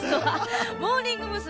モーニング娘。